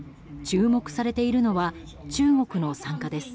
注目されているのは中国の参加です。